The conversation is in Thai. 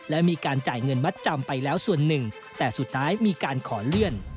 และมีการจ่ายเงินมัดจำไปแล้วส่วนหนึ่งแต่สุดท้ายมีการขอเลื่อน